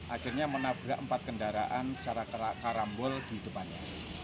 akhirnya menabrak empat kendaraan secara karambol di depannya